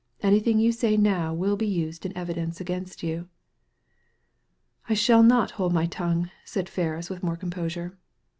Anything you say now will be used in evidence against you." "I shall not hold my tongue," said Ferris, with more composure.